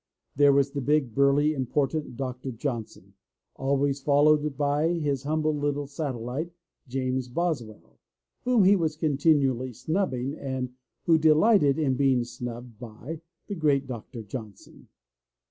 There was the big, burly, important Doctor Johnson, always followed by his humble little satellite, James Boswell, whom he was continually snubbing and who delighted in being snubbed by the great Dr. Johnson.